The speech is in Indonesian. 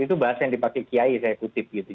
itu bahasa yang dipakai kiai saya kutip gitu